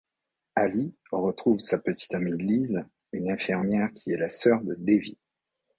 Ally retrouve sa petite amie Liz, une infirmière qui est la sœur de Davy.